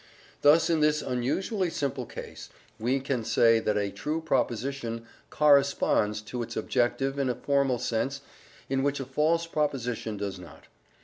Thus in this unusually simple case we can say that a true proposition "corresponds" to its objective in a formal sense in which a false proposition does not.